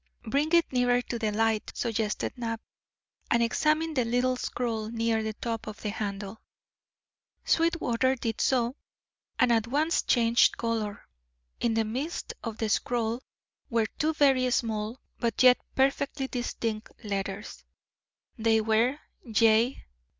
"Bring it nearer to the light," suggested Knapp, "and examine the little scroll near the top of the handle." Sweetwater did so, and at once changed colour. In the midst of the scroll were two very small but yet perfectly distinct letters; they were J.